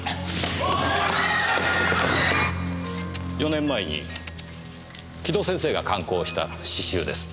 ４年前に城戸先生が刊行した詩集です。